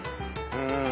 うん。